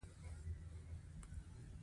په ګرینلنډ کې زرګونه کلونه واوره ورېدلې ده